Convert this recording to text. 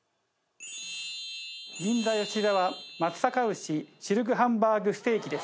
銀座吉澤松阪牛シルクハンバーグステーキです。